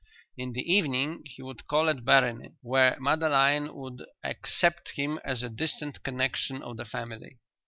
In the evening he would call at Barony, where Madeline would accept him as a distant connexion of the family.